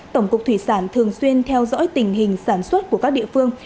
tổng cục thủy sản thường xuyên theo dõi tình hình sản xuất của các địa phương